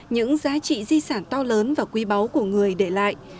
những giá trị di sản to lớn và quý báu của người để lại